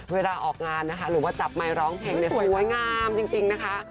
เวลาออกงานนะคะหรือว่าจับไมค์ร้องเพลงเนี่ยสวยงามจริงนะคะ